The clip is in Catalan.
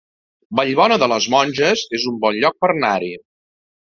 Vallbona de les Monges es un bon lloc per anar-hi